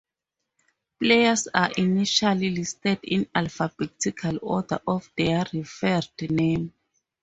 Players are initially listed in alphabetical order of their referred name.